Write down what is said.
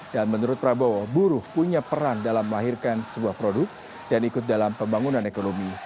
dan menurut prabowo buruh punya peran dalam melahirkan sebuah produk dan ikut dalam pembangunan ekonomi